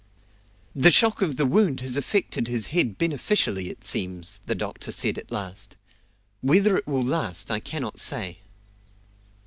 "The shock of the wound has affected his head beneficially, it seems," the doctor said at last. "Whether it will last I cannot say."